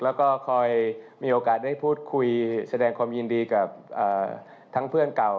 แล้วก็คอยมีโอกาสได้พูดคุยแสดงความยินดีกับทั้งเพื่อนเก่า